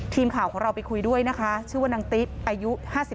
ทีมข่าวของเราไปคุยด้วยนะคะชื่อว่านางติ๊ดอายุ๕๓